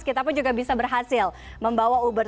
kita pun juga bisa berhasil membawa uber